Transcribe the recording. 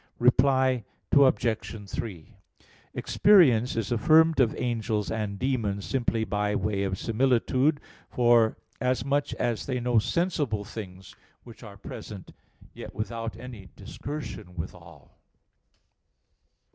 Reply Obj. 3: Experience is affirmed of angels and demons simply by way of similitude, forasmuch as they know sensible things which are present, yet without any discursion withal.